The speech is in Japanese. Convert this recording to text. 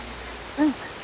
うん。